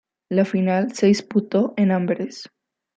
La final se disputó en Amberes.